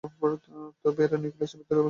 তবুও এরা নিউক্লিয়াসের ভিতরে সহাবস্থান করছে।